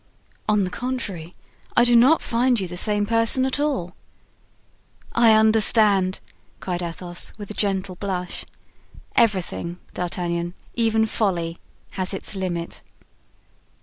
"On the contrary, I do not find you the same person at all." "I understand," cried Athos, with a gentle blush. "Everything, D'Artagnan, even folly, has its limit."